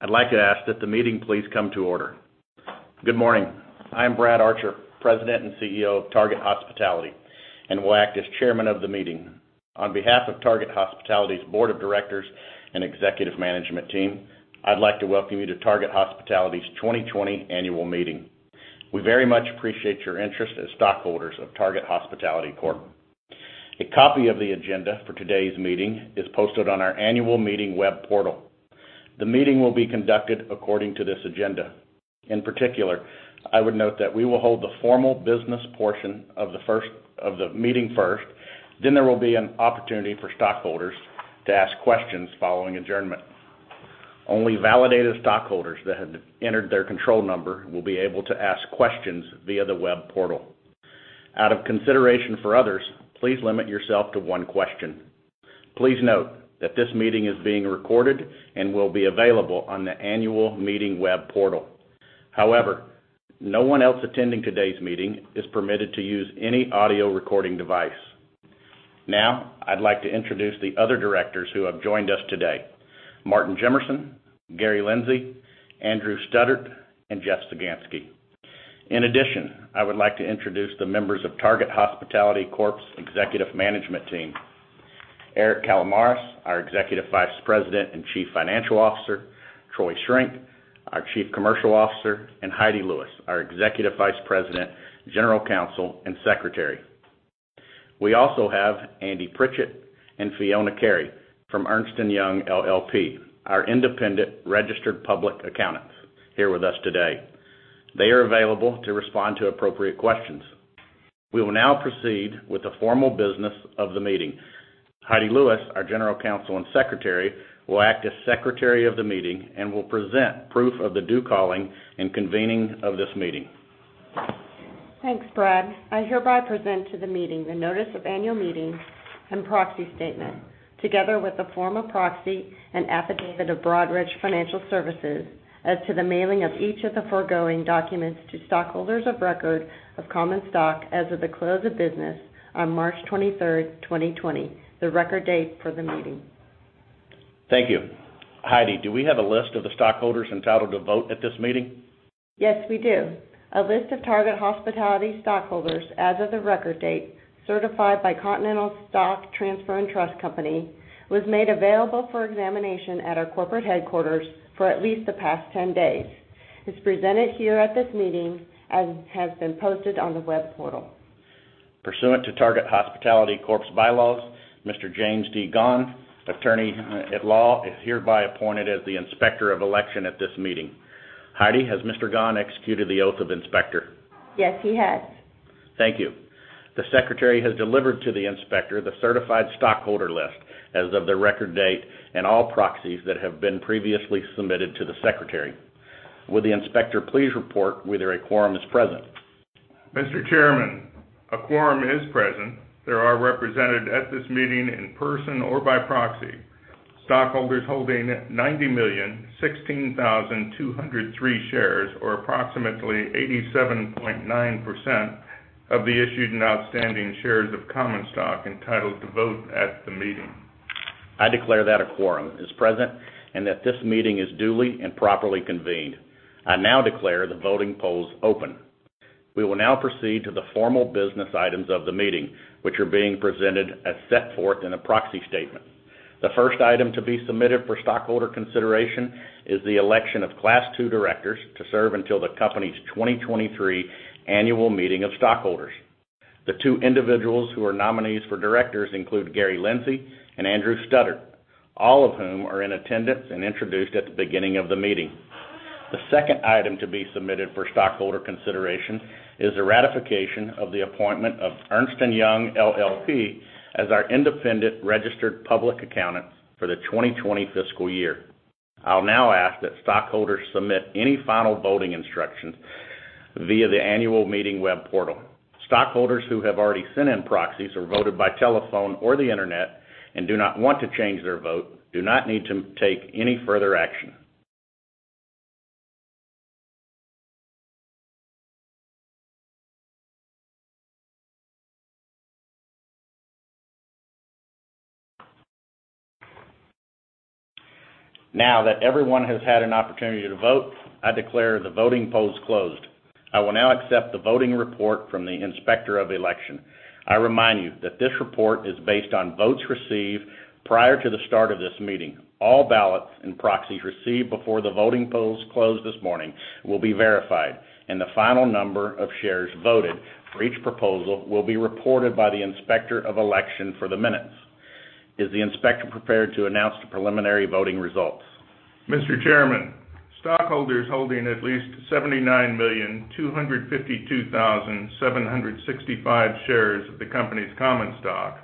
I'd like to ask that the meeting please come to order. Good morning. I am Brad Archer, President and CEO of Target Hospitality, and will act as chairman of the meeting. On behalf of Target Hospitality's board of directors and executive management team, I'd like to welcome you to Target Hospitality's 2020 annual meeting. We very much appreciate your interest as stockholders of Target Hospitality Corp. A copy of the agenda for today's meeting is posted on our annual meeting web portal. The meeting will be conducted according to this agenda. In particular, I would note that we will hold the formal business portion of the meeting first, then there will be an opportunity for stockholders to ask questions following adjournment. Only validated stockholders that have entered their control number will be able to ask questions via the web portal. Out of consideration for others, please limit yourself to one question. Please note that this meeting is being recorded and will be available on the annual meeting web portal. However, no one else attending today's meeting is permitted to use any audio recording device. Now, I'd like to introduce the other directors who have joined us today: Martin Jimmerson, Gary Lindsay, Andrew Studdert, and Jeff Sagansky. In addition, I would like to introduce the members of Target Hospitality Corp's executive management team. Eric Kalamaras, our Executive Vice President and Chief Financial Officer, Troy Schrenk, our Chief Commercial Officer, and Heidi Lewis, our Executive Vice President, General Counsel, and Secretary. We also have Andy Pritchett and Fiona Carey from Ernst & Young LLP, our independent registered public accountants, here with us today. They are available to respond to appropriate questions. We will now proceed with the formal business of the meeting. Heidi Lewis, our General Counsel and Secretary, will act as Secretary of the meeting and will present proof of the due calling and convening of this meeting. Thanks, Brad. I hereby present to the meeting the notice of annual meeting and proxy statement, together with a form of proxy and affidavit of Broadridge Financial Solutions as to the mailing of each of the foregoing documents to stockholders of record of common stock as of the close of business on March 23rd, 2020, the record date for the meeting. Thank you. Heidi, do we have a list of the stockholders entitled to vote at this meeting? Yes, we do. A list of Target Hospitality stockholders as of the record date, certified by Continental Stock Transfer and Trust Company, was made available for examination at our corporate headquarters for at least the past 10 days, is presented here at this meeting, and has been posted on the web portal. Pursuant to Target Hospitality Corp's bylaws, Mr. James D. Gahn, attorney at law, is hereby appointed as the Inspector of Election at this meeting. Heidi, has Mr. Gahn executed the oath of Inspector? Yes, he has. Thank you. The Secretary has delivered to the inspector the certified stockholder list as of the record date and all proxies that have been previously submitted to the Secretary. Would the inspector please report whether a quorum is present? Mr. Chairman, a quorum is present. There are represented at this meeting in person or by proxy, stockholders holding 90,016,203 shares, or approximately 87.9% of the issued and outstanding shares of common stock entitled to vote at the meeting. I declare that a quorum is present and that this meeting is duly and properly convened. I now declare the voting polls open. We will now proceed to the formal business items of the meeting, which are being presented as set forth in a proxy statement. The first item to be submitted for stockholder consideration is the election of Class II directors to serve until the company's 2023 annual meeting of stockholders. The two individuals who are nominees for directors include Gary Lindsay and Andrew Studdert, all of whom are in attendance and introduced at the beginning of the meeting. The second item to be submitted for stockholder consideration is the ratification of the appointment of Ernst & Young LLP as our independent registered public accountant for the 2020 fiscal year. I'll now ask that stockholders submit any final voting instructions via the annual meeting web portal. Stockholders who have already sent in proxies or voted by telephone or the internet and do not want to change their vote, do not need to take any further action. Now that everyone has had an opportunity to vote, I declare the voting polls closed. I will now accept the voting report from the Inspector of Election. I remind you that this report is based on votes received prior to the start of this meeting. All ballots and proxies received before the voting polls closed this morning will be verified, and the final number of shares voted for each proposal will be reported by the Inspector of Election for the minutes. Is the Inspector prepared to announce the preliminary voting results? Mr. Chairman, stockholders holding at least 79,252,765 shares of the company's common stock,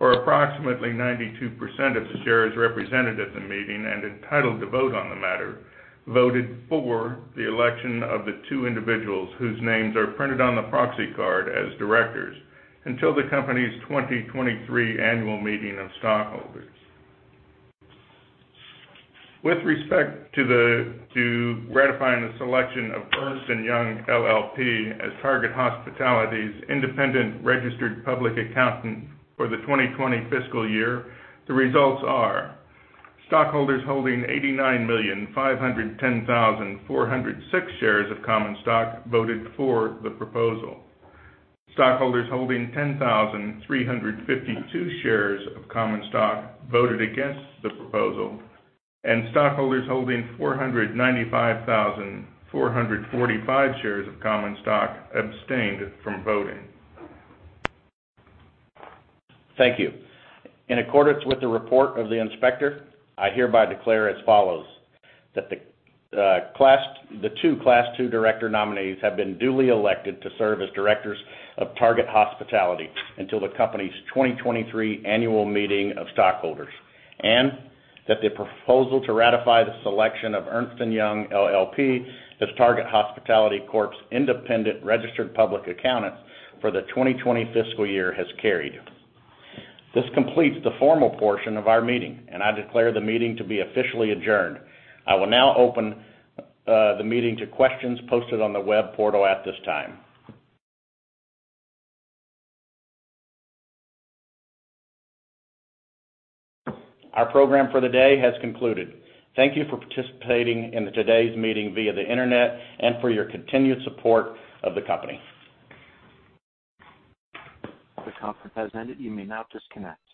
or approximately 92% of the shares represented at the meeting and entitled to vote on the matter, voted for the election of the two individuals whose names are printed on the proxy card as directors until the company's 2023 annual meeting of stockholders. With respect to ratifying the selection of Ernst & Young LLP as Target Hospitality's independent registered public accountant for the 2020 fiscal year, the results are: stockholders holding 89,510,406 shares of common stock voted for the proposal, stockholders holding 10,352 shares of common stock voted against the proposal, and stockholders holding 495,445 shares of common stock abstained from voting. Thank you. In accordance with the report of the inspector, I hereby declare as follows, that the two Class II director nominees have been duly elected to serve as directors of Target Hospitality until the company's 2023 annual meeting of stockholders, and that the proposal to ratify the selection of Ernst & Young LLP as Target Hospitality Corp's independent registered public accountant for the 2020 fiscal year has carried. This completes the formal portion of our meeting. I declare the meeting to be officially adjourned. I will now open the meeting to questions posted on the web portal at this time. Our program for the day has concluded. Thank you for participating in today's meeting via the internet and for your continued support of the company. This conference has ended. You may now disconnect.